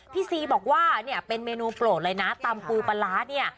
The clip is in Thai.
พี่ซีบอกว่าเป็นเมนูโปรดเลยนะตำกูปลาร้า